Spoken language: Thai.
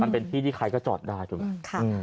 มันเป็นที่ที่ใครก็จอดได้ถูกไหม